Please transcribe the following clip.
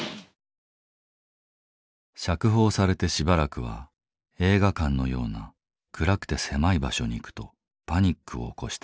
釈放されてしばらくは映画館のような暗くて狭い場所に行くとパニックを起こした。